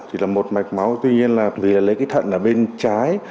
thì là một mạch máu tuy nhiên là lấy cái thận ở bên trái